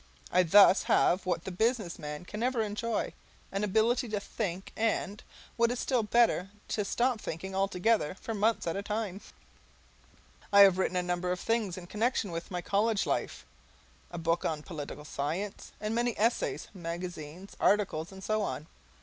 I thus have what the business man can never enjoy, an ability to think, and, what is still better, to stop thinking altogether for months at a time. I have written a number of things in connection with my college life a book on Political Science, and many essays, magazine articles, and so on.